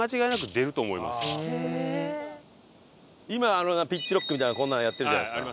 今ピッチコムみたいなこんなのやってるじゃないですか。